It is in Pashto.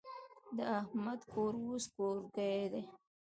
د احمد کور اوس کورګی دی.